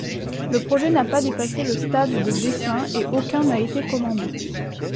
Le projet n'a pas dépassé le stade de dessin et aucun n'a été commandé.